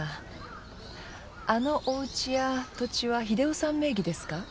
あのおウチや土地は秀雄さん名義ですか？